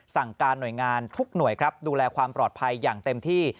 สั่งการหน่วยงานทุกหน่วยครับดูแลความปลอดภัยอย่างเต็มที่